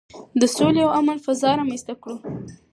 د سولې او امن فضا رامنځته کړئ.